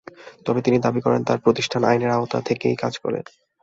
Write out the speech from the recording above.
তবে তিনি দাবি করেন, তাঁর প্রতিষ্ঠান আইনের আওতায় থেকেই কাজ করে।